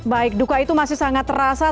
baik duka itu masih sangat terasa